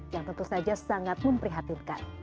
yang tentu saja sangat memprihatinkan